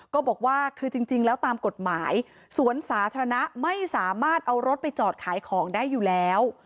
ก็บอกว่าคือจริงแล้วตามกฎหมายสวนสาธารณะไม่สามารถเอารถไปจอดขายของได้อยู่แล้ว